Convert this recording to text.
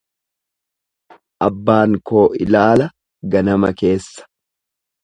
Abbaan koo ilaala ganama keessa.